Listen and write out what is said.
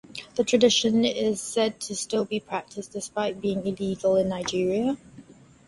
The tradition is said still be practiced despite being illegal in Nigeria.